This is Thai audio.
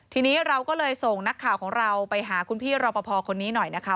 ทีนี้เราก็เลยส่งนักข่าวของเราไปหาคุณพี่รอปภคนนี้หน่อยนะคะ